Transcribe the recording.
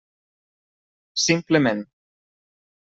Simplement.